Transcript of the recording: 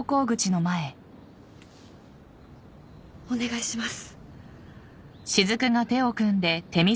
お願いします。